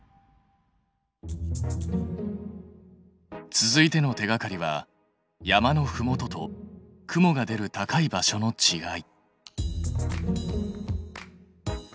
続いての手がかりは山のふもとと雲が出る高い場所のちがい。